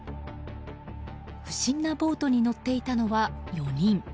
不審なボートに乗っていたのは４人。